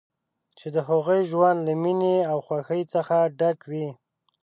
چې د هغوی ژوند له مینې او خوښۍ څخه ډک وي.